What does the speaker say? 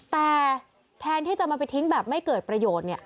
แต่แทนที่จะมาไปทิ้งแบบไม่เกิดประโยชน์